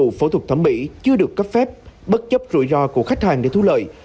dịch vụ phẫu thuật thẩm mỹ chưa được cấp phép bất chấp rủi ro của khách hàng để thu lợi